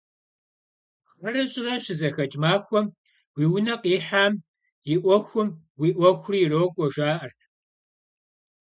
Гъэрэ щӀырэ щызэхэкӀ махуэм уи унэ къихьам и Ӏуэхум уи Ӏуэхури ирокӀуэ, жаӀэрт.